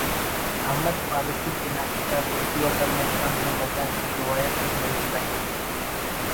احمد فاروقی تینا کتاب ”اردو ادب میں طنز و مزاح کی روایت“ اٹ نوشتہ کیک